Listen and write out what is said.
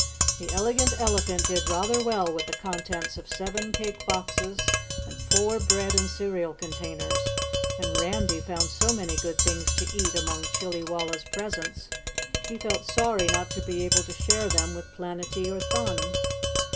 The Elegant Elephant did rather well with the contents of seven cake boxes and four bread and cereal containers, and Randy found so many good things to eat among Chillywalla's presents he felt sorry not to be able to share them with Planetty or Thun.